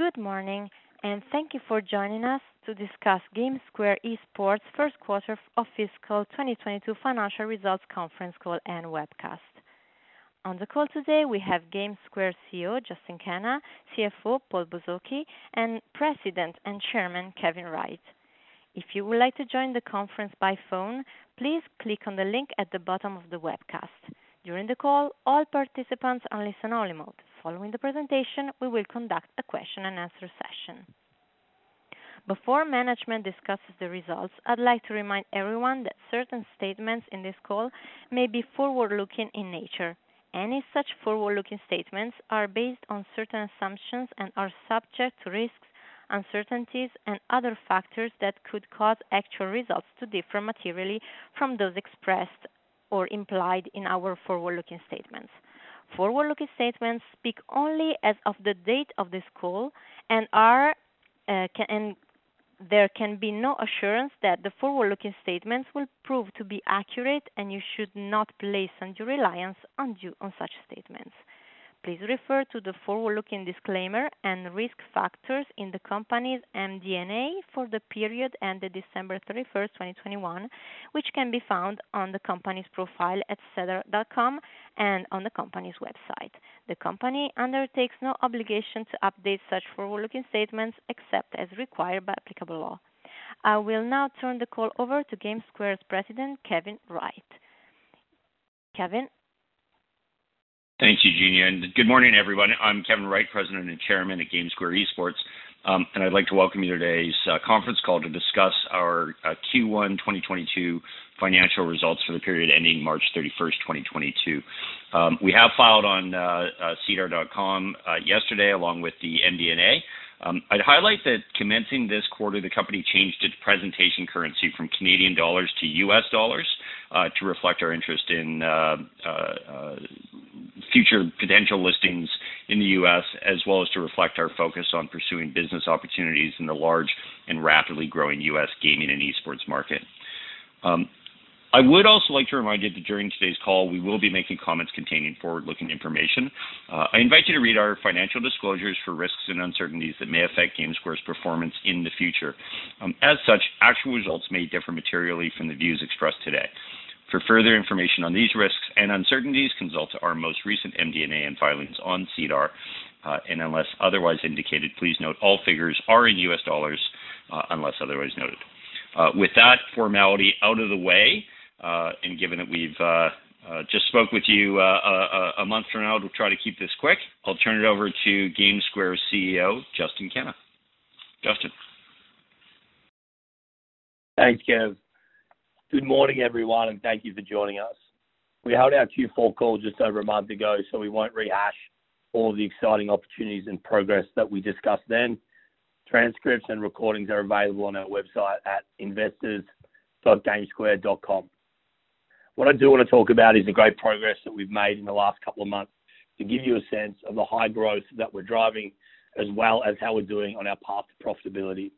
Good morning, and thank you for joining us to discuss GameSquare Esports first quarter of fiscal 2022 financial results conference call and webcast. On the call today, we have GameSquare CEO, Justin Kenna, CFO, Paul Bozoki, and President and Chairman, Kevin Wright. If you would like to join the conference by phone, please click on the link at the bottom of the webcast. During the call, all participants are in listen-only mode. Following the presentation, we will conduct a question-and-answer session. Before management discusses the results, I'd like to remind everyone that certain statements in this call may be forward-looking in nature. Any such forward-looking statements are based on certain assumptions and are subject to risks, uncertainties, and other factors that could cause actual results to differ materially from those expressed or implied in our forward-looking statements. Forward-looking statements speak only as of the date of this call, and there can be no assurance that the forward-looking statements will prove to be accurate, and you should not place undue reliance on such statements. Please refer to the forward-looking disclaimer and risk factors in the company's MD&A for the period ended December 31, 2021, which can be found on the company's profile at sedar.com and on the company's website. The company undertakes no obligation to update such forward-looking statements except as required by applicable law. I will now turn the call over to GameSquare's President, Kevin Wright. Kevin. Thank you, Eugenia, and good morning, everyone. I'm Kevin Wright, President and Chairman at GameSquare Esports, and I'd like to welcome you to today's conference call to discuss our Q1 2022 financial results for the period ending March 31st, 2022. We have filed on sedar.com yesterday along with the MD&A. I'd highlight that commencing this quarter, the company changed its presentation currency from Canadian dollars to U.S. dollars to reflect our interest in future potential listings in the U.S., as well as to reflect our focus on pursuing business opportunities in the large and rapidly growing U.S. gaming and esports market. I would also like to remind you that during today's call, we will be making comments containing forward-looking information. I invite you to read our financial disclosures for risks and uncertainties that may affect GameSquare's performance in the future. As such, actual results may differ materially from the views expressed today. For further information on these risks and uncertainties, consult our most recent MD&A and filings on SEDAR. Unless otherwise indicated, please note, all figures are in U.S. dollars, unless otherwise noted. With that formality out of the way, and given that we've just spoke with you a month from now, we'll try to keep this quick. I'll turn it over to GameSquare's CEO, Justin Kenna. Justin. Thanks, Kev. Good morning, everyone, and thank you for joining us. We held our Q4 call just over a month ago, so we won't rehash all the exciting opportunities and progress that we discussed then. Transcripts and recordings are available on our website at investors.gamesquare.com. What I do wanna talk about is the great progress that we've made in the last couple of months to give you a sense of the high growth that we're driving, as well as how we're doing on our path to profitability.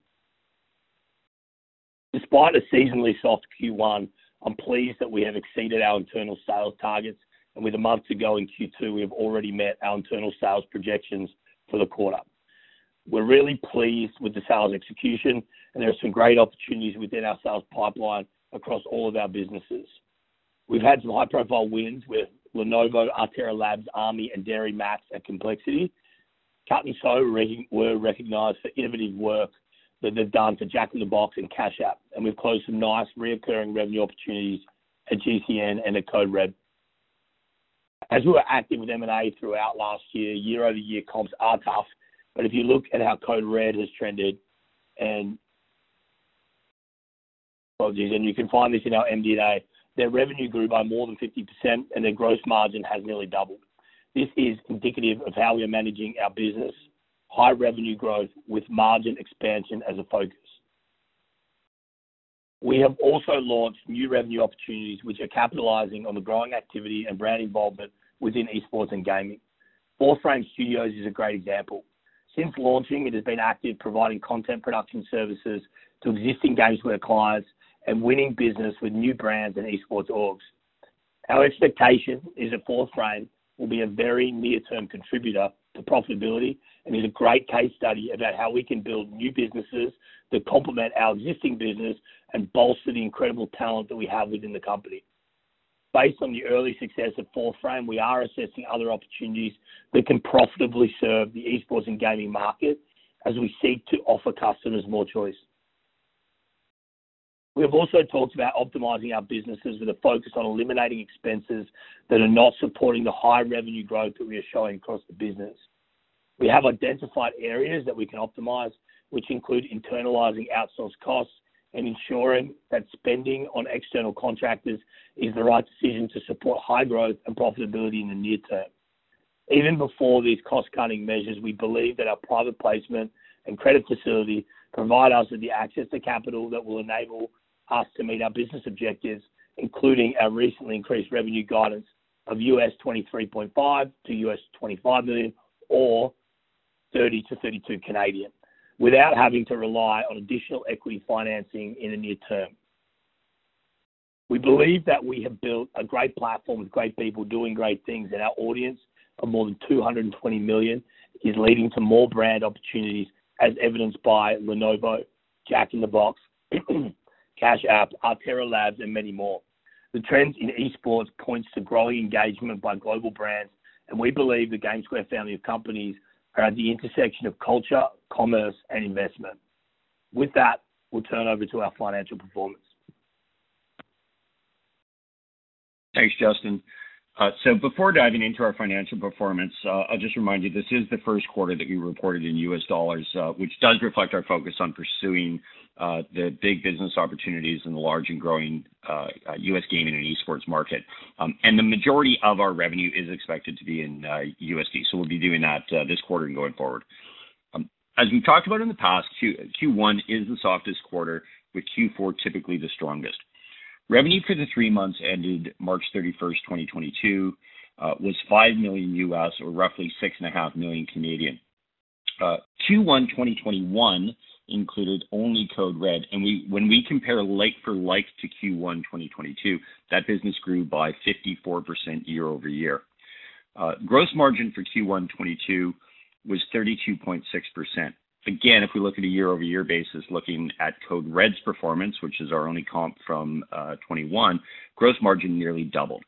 Despite a seasonally soft Q1, I'm pleased that we have exceeded our internal sales targets, and with a month to go in Q2, we have already met our internal sales projections for the quarter. We're really pleased with the sales execution and there are some great opportunities within our sales pipeline across all of our businesses. We've had some high-profile wins with Lenovo, ARterra Labs, U.S. Army, Anduril, MATS, and Complexity. Cut+Sew was recognized for innovative work that they've done for Jack in the Box and Cash App, and we've closed some nice recurring revenue opportunities at GCN and at Code Red. As we were active with M&A throughout last year-over-year comps are tough. If you look at how Code Red has trended and you can find this in our MD&A, their revenue grew by more than 50%, and their gross margin has nearly doubled. This is indicative of how we are managing our business, high revenue growth with margin expansion as a focus. We have also launched new revenue opportunities, which are capitalizing on the growing activity and brand involvement within esports and gaming. Fourth Frame Studios is a great example. Since launching, it has been active providing content production services to existing GameSquare clients and winning business with new brands and esports orgs. Our expectation is that Fourth Frame will be a very near-term contributor to profitability and is a great case study about how we can build new businesses that complement our existing business and bolster the incredible talent that we have within the company. Based on the early success of Fourth Frame, we are assessing other opportunities that can profitably serve the esports and gaming market as we seek to offer customers more choice. We have also talked about optimizing our businesses with a focus on eliminating expenses that are not supporting the high revenue growth that we are showing across the business. We have identified areas that we can optimize, which include internalizing outsourced costs and ensuring that spending on external contractors is the right decision to support high growth and profitability in the near term. Even before these cost-cutting measures, we believe that our private placement and credit facility provide us with the access to capital that will enable us to meet our business objectives, including our recently increased revenue guidance of $23.5 million-$25 million or 30 milliion-32 million, without having to rely on additional equity financing in the near term. We believe that we have built a great platform with great people doing great things, and our audience of more than 220 million is leading to more brand opportunities as evidenced by Lenovo, Jack in the Box, Cash App, ARterra Labs and many more. The trends in esports point to growing engagement by global brands, and we believe the GameSquare family of companies are at the intersection of culture, commerce and investment. With that, we'll turn over to our financial performance. Thanks, Justin. Before diving into our financial performance, I'll just remind you, this is the first quarter that we reported in US dollars, which does reflect our focus on pursuing the big business opportunities in the large and growing U.S. gaming and esports market. The majority of our revenue is expected to be in USD, so we'll be doing that this quarter and going forward. As we talked about in the past, Q1 is the softest quarter, with Q4 typically the strongest. Revenue for the three months ended March 31st, 2022, was $5 million or roughly 6.5 million. Q1 2021 included only Code Red. When we compare like-for-like to Q1 2022, that business grew by 54% year-over-year. Gross margin for Q1 2022 was 32.6%. Again, if we look at a year-over-year basis, looking at Code Red's performance, which is our only comp from 2021, gross margin nearly doubled.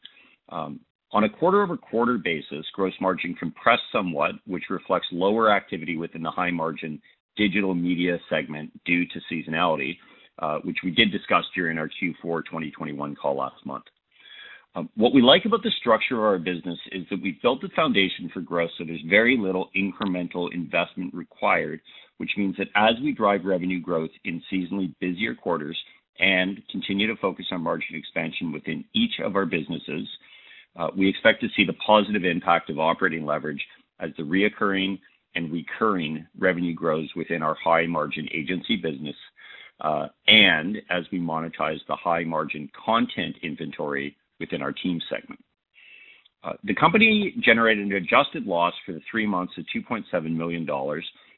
On a quarter-over-quarter basis, gross margin compressed somewhat, which reflects lower activity within the high margin digital media segment due to seasonality, which we did discuss during our Q4 2021 call last month. What we like about the structure of our business is that we've built the foundation for growth, so there's very little incremental investment required. Which means that as we drive revenue growth in seasonally busier quarters and continue to focus on margin expansion within each of our businesses, we expect to see the positive impact of operating leverage as the recurring revenue grows within our high margin agency business, and as we monetize the high margin content inventory within our team segment. The company generated an adjusted loss for the three months of $2.7 million,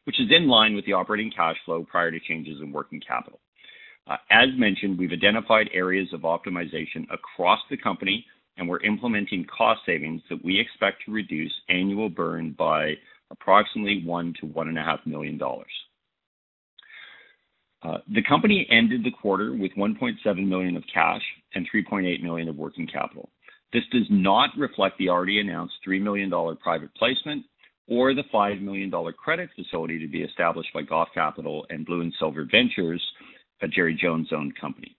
which is in line with the operating cash flow prior to changes in working capital. As mentioned, we've identified areas of optimization across the company, and we're implementing cost savings that we expect to reduce annual burn by approximately $1 million-$1.5 million. The company ended the quarter with $1.7 million of cash and $3.8 million of working capital. This does not reflect the already announced $3 million private placement or the $5 million credit facility to be established by Goff Capital and Blue and Silver Ventures, a Jerry Jones-owned company.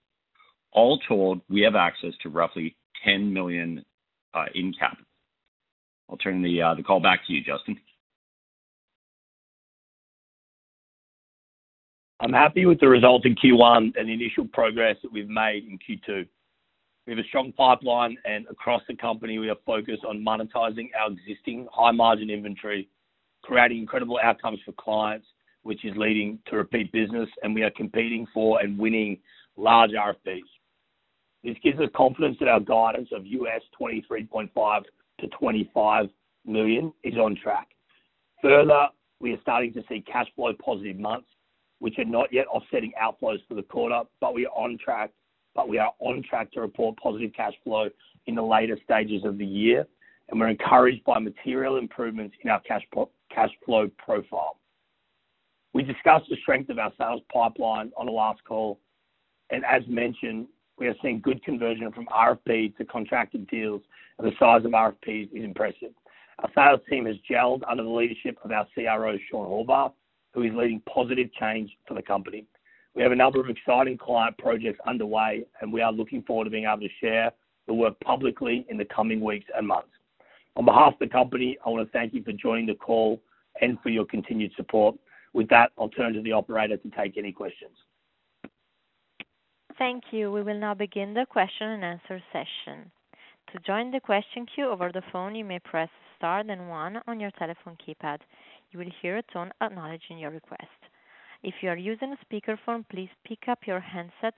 All told, we have access to roughly $10 million in capital. I'll turn the call back to you, Justin. I'm happy with the results in Q1 and the initial progress that we've made in Q2. We have a strong pipeline, and across the company we are focused on monetizing our existing high-margin inventory, creating incredible outcomes for clients, which is leading to repeat business, and we are competing for and winning large RFPs. This gives us confidence that our guidance of $23.5 million-$25 million is on track. Further, we are starting to see cash flow positive months, which are not yet offsetting outflows for the quarter, but we are on track to report positive cash flow in the later stages of the year, and we're encouraged by material improvements in our cash flow profile. We discussed the strength of our sales pipeline on the last call and as mentioned, we are seeing good conversion from RFP to contracted deals and the size of RFPs is impressive. Our sales team has gelled under the leadership of our CRO, Sean Horvath, who is leading positive change for the company. We have a number of exciting client projects underway, and we are looking forward to being able to share the work publicly in the coming weeks and months. On behalf of the company, I want to thank you for joining the call and for your continued support. With that, I'll turn to the operator to take any questions. Thank you. We will now begin the question and answer session. To join the question queue over the phone, you may press star then one on your telephone keypad. You will hear a tone acknowledging your request. If you are using a speakerphone, please pick up your handset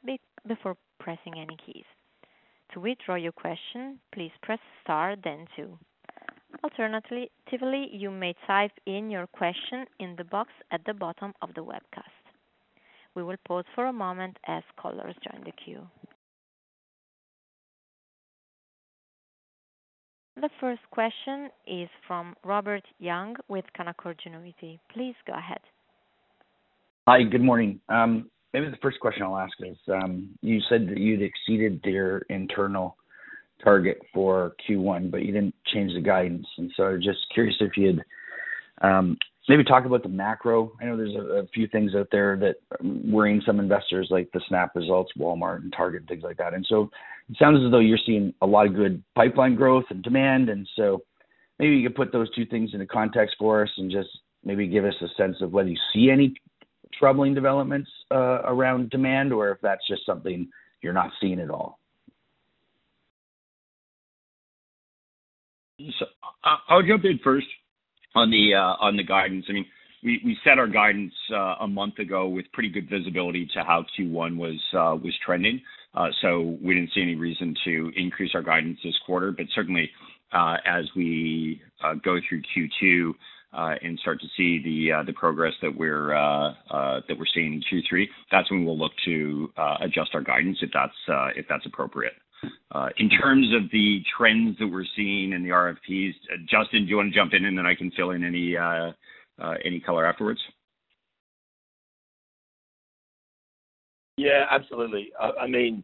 before pressing any keys. To withdraw your question, please press star then two. Alternatively, you may type in your question in the box at the bottom of the webcast. We will pause for a moment as callers join the queue. The first question is from Robert Young with Canaccord Genuity. Please go ahead. Hi. Good morning. Maybe the first question I'll ask is, you said that you'd exceeded their internal target for Q1, but you didn't change the guidance. Just curious if you'd maybe talk about the macro. I know there's a few things out there that's worrying some investors, like the Snap results, Walmart and Target, things like that. It sounds as though you're seeing a lot of good pipeline growth and demand, maybe you could put those two things into context for us and just maybe give us a sense of whether you see any troubling developments around demand or if that's just something you're not seeing at all. I'll jump in first on the guidance, I mean, we set our guidance a month ago with pretty good visibility to how Q1 was trending. We didn't see any reason to increase our guidance this quarter. Certainly, as we go through Q2 and start to see the progress that we're seeing in Q3, that's when we'll look to adjust our guidance, if that's appropriate. In terms of the trends that we're seeing in the RFPs, Justin, do you wanna jump in and then I can fill in any color afterwards? Yeah, absolutely. I mean,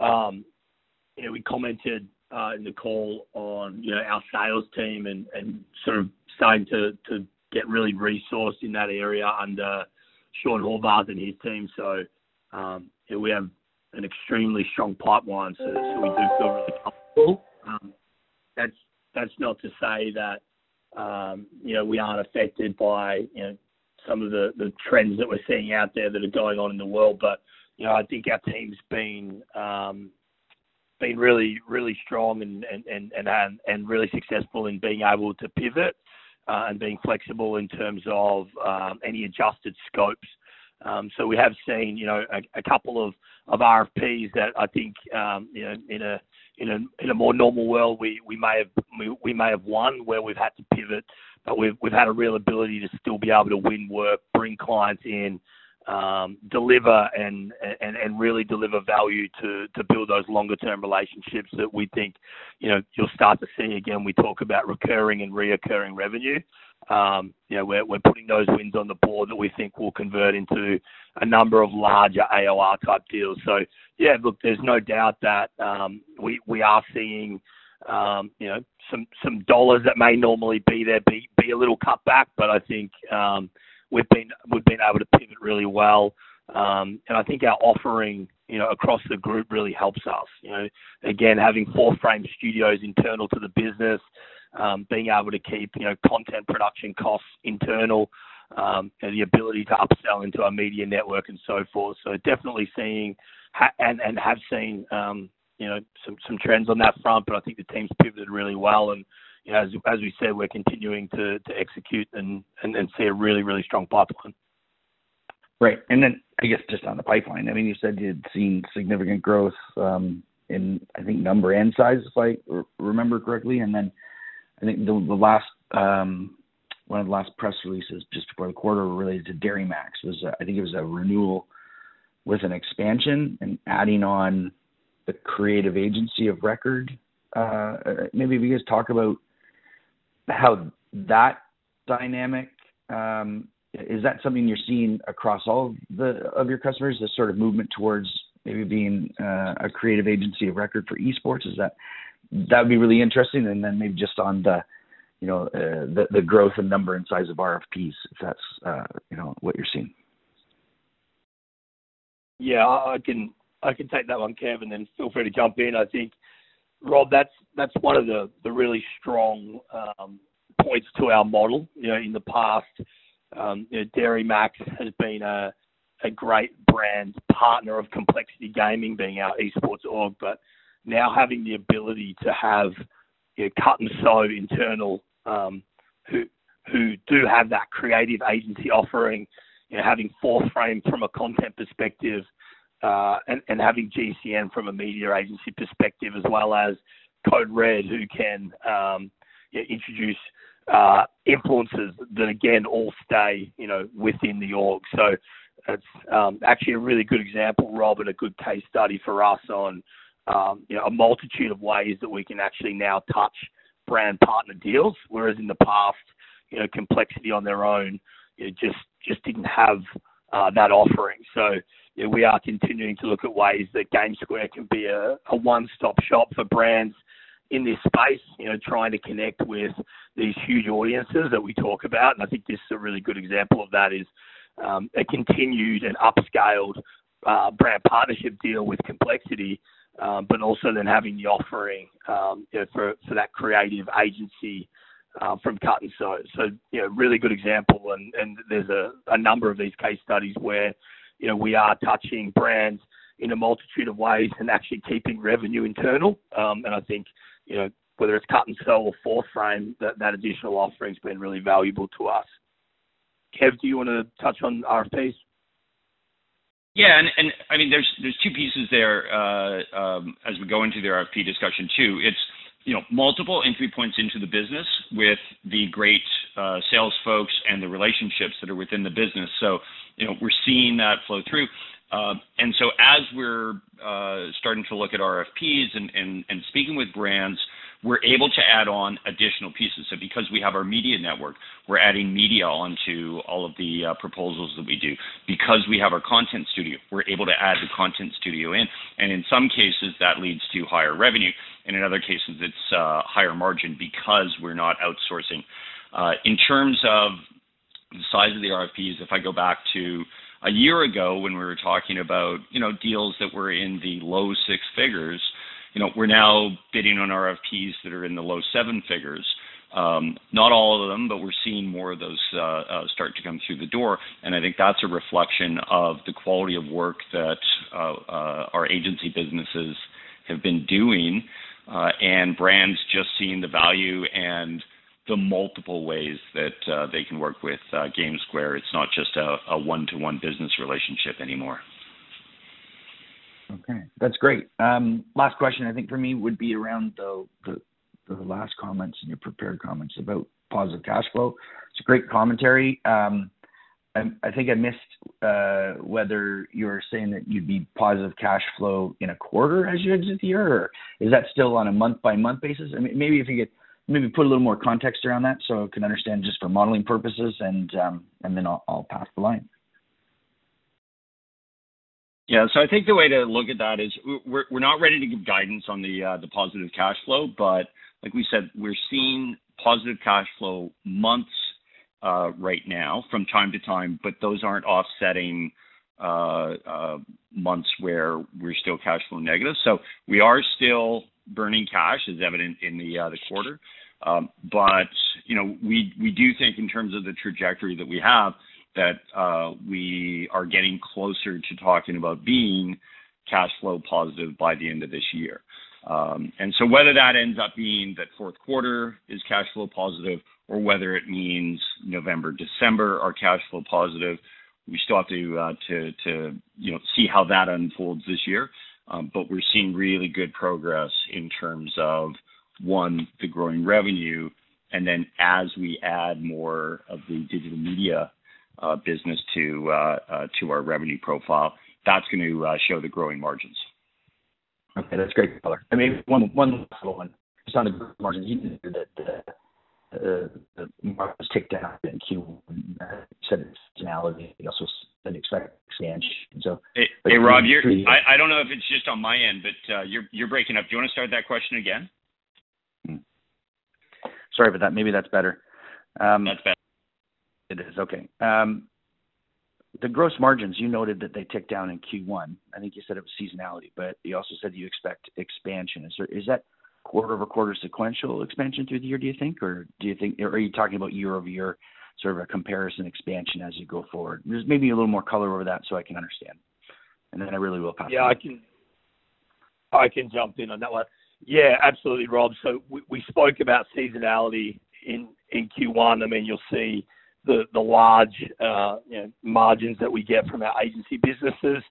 you know, we commented in the call on, you know, our sales team and sort of starting to get really resourced in that area under Sean Horvath and his team. You know, we have an extremely strong pipeline, so we do feel really comfortable. That's not to say that, you know, we aren't affected by, you know, some of the trends that we're seeing out there that are going on in the world. You know, I think our team's been really strong and really successful in being able to pivot and being flexible in terms of any adjusted scopes. So we have seen, you know, a couple of RFPs that I think, you know, in a more normal world, we may have won where we've had to pivot. We've had a real ability to still be able to win work, bring clients in, deliver and really deliver value to build those longer term relationships that we think, you know, you'll start to see. Again, we talk about recurring and reoccurring revenue. You know, we're putting those wins on the board that we think will convert into a number of larger AOR type deals. Yeah, look, there's no doubt that we are seeing, you know, some dollars that may normally be there be a little cut back, but I think we've been able to pivot really well. I think our offering, you know, across the group really helps us. You know, again, having Fourth Frame Studios internal to the business, being able to keep, you know, content production costs internal, and the ability to upsell into our media network and so forth. We are definitely seeing and have seen, you know, some trends on that front. I think the team's pivoted really well. You know, as we said, we're continuing to execute and see a really strong pipeline. Right. I guess just on the pipeline, I mean, you said you'd seen significant growth in I think number and size, if I remember correctly. I think the last one of the last press releases just for the quarter related to Dairy MAX was, I think it was a renewal with an expansion and adding on the creative agency of record. Maybe if you could just talk about how that dynamic. Is that something you're seeing across all of your customers, this sort of movement towards maybe being a creative agency of record for esports? That'd be really interesting. Maybe just on the growth and number and size of RFPs, if that's what you're seeing. Yeah, I can take that one, Kev, and then feel free to jump in, I think. Rob, that's one of the really strong points to our model. You know, in the past, you know, Dairy MAX has been a great brand partner of Complexity Gaming being our esports org. Now having the ability to have, you know, Cut & Sew internal, who do have that creative agency offering, you know, having Fourth Frame from a content perspective, and having GCN from a media agency perspective, as well as Code Red, who can, you know, introduce influencers that again, all stay, you know, within the org. It's actually a really good example, Rob, and a good case study for us on, you know, a multitude of ways that we can actually now touch brand partner deals. Whereas in the past, you know, Complexity on their own, you know, just didn't have that offering. You know, we are continuing to look at ways that GameSquare can be a one-stop shop for brands in this space, you know, trying to connect with these huge audiences that we talk about. I think this is a really good example of that is a continued and upscaled brand partnership deal with Complexity, but also then having the offering, you know, for that creative agency from Cut+Sew. You know, really good example and there's a number of these case studies where, you know, we are touching brands in a multitude of ways and actually keeping revenue internal. I think, you know, whether it's Cut+Sew or Fourth Frame, that additional offering's been really valuable to us. Kev, do you wanna touch on RFPs? I mean, there's two pieces there, as we go into the RFP discussion too. It's, you know, multiple entry points into the business with the great sales folks and the relationships that are within the business. You know, we're seeing that flow through. As we're starting to look at RFPs and speaking with brands, we're able to add on additional pieces. Because we have our media network, we're adding media onto all of the proposals that we do. Because we have our content studio, we're able to add the content studio in. In some cases, that leads to higher revenue, and in other cases, it's higher margin because we're not outsourcing. In terms of the size of the RFPs, if I go back to a year ago when we were talking about, you know, deals that were in the low six figures, you know, we're now bidding on RFPs that are in the low seven figures. Not all of them, but we're seeing more of those start to come through the door. I think that's a reflection of the quality of work that our agency businesses have been doing, and brands just seeing the value and the multiple ways that they can work with GameSquare. It's not just a one-to-one business relationship anymore. Okay, that's great. Last question I think for me would be around the last comments in your prepared comments about positive cash flow. It's a great commentary. I think I missed whether you're saying that you'd be positive cash flow in a quarter as you exit the year or is that still on a month-by-month basis? I mean, maybe if you could maybe put a little more context around that so I can understand just for modeling purposes, and then I'll pass the line. Yeah. I think the way to look at that is we're not ready to give guidance on the positive cash flow, but like we said, we're seeing positive cash flow months right now from time to time, but those aren't offsetting months where we're still cash flow negative. We are still burning cash as evident in the quarter. You know we do think in terms of the trajectory that we have that we are getting closer to talking about being cash flow positive by the end of this year. Whether that ends up being that fourth quarter is cash flow positive or whether it means November, December are cash flow positive, we still have to you know see how that unfolds this year. We're seeing really good progress in terms of one, the growing revenue, and then as we add more of the digital media business to our revenue profile, that's gonna show the growing margins. Okay, that's great color. I mean, one little one. It sounded that the margins ticked down in Q1. You said seasonality, you also said expect expansion. Hey, Rob, I don't know if it's just on my end, but you're breaking up. Do you wanna start that question again? Sorry about that. Maybe that's better. That's better. It is okay. The gross margins, you noted that they ticked down in Q1. I think you said it was seasonality, but you also said you expect expansion. Is that quarter-over-quarter sequential expansion through the year, do you think? Or do you think? Are you talking about year-over-year sort of a comparison expansion as you go forward? Just maybe a little more color over that so I can understand. I really will pass it on. Yeah, I can jump in on that one. Yeah, absolutely, Rob. We spoke about seasonality in Q1. I mean, you'll see the large margins that we get from our agency businesses.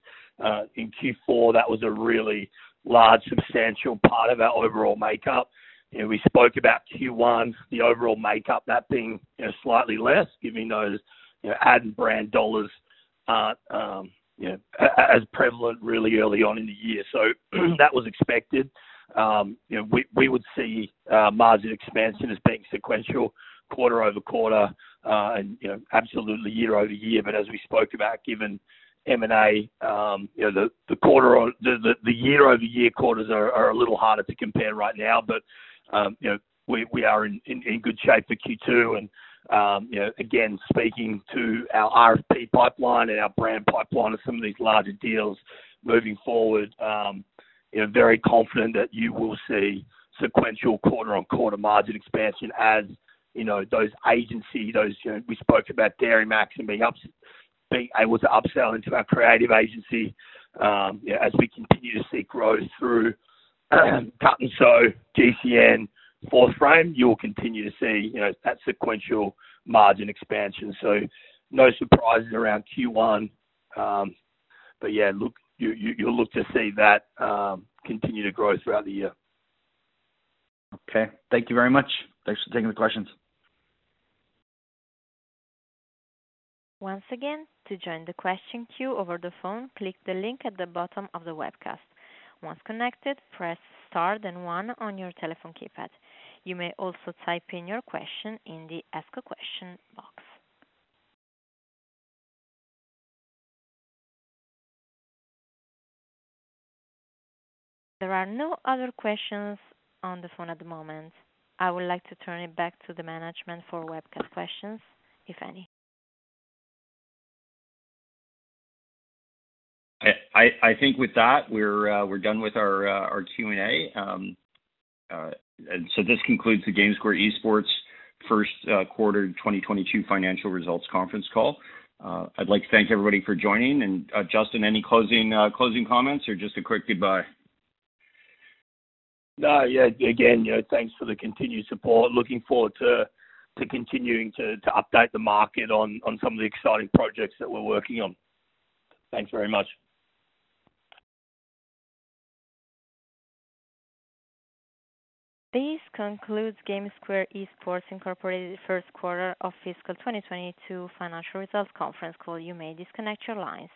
In Q4, that was a really large substantial part of our overall makeup. You know, we spoke about Q1, the overall makeup, that being slightly less, given those ad and brand dollars aren't as prevalent really early on in the year. That was expected. You know, we would see margin expansion as being sequential quarter-over-quarter, and absolutely year-over-year. As we spoke about, given M&A, the year-over-year quarters are a little harder to compare right now. We are in good shape for Q2. You know, again, speaking to our RFP pipeline and our brand pipeline of some of these larger deals moving forward, you know, very confident that you will see sequential quarter-over-quarter margin expansion as, you know, those agency, those, you know, we spoke about Dairy MAX and being able to upsell into our creative agency. As we continue to see growth through Cut+Sew, GCN, Fourth Frame, you'll continue to see, you know, that sequential margin expansion. No surprises around Q1. Yeah, you'll look to see that continue to grow throughout the year. Okay. Thank you very much. Thanks for taking the questions. Once again, to join the question queue over the phone, click the link at the bottom of the webcast. Once connected, press star then one on your telephone keypad. You may also type in your question in the ask a question box. There are no other questions on the phone at the moment. I would like to turn it back to the management for webcast questions, if any. I think with that we're done with our Q&A. This concludes the GameSquare Esports first quarter 2022 financial results conference call. I'd like to thank everybody for joining. Justin, any closing comments or just a quick goodbye? No. Yeah. Again, you know, thanks for the continued support. Looking forward to continuing to update the market on some of the exciting projects that we're working on. Thanks very much. This concludes GameSquare Esports Inc. first quarter of fiscal 2022 financial results conference call. You may disconnect your lines.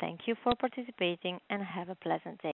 Thank you for participating and have a pleasant day.